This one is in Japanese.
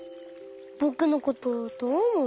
ぼくのことどうおもう？